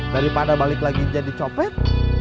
daripada balik lagi jadi copet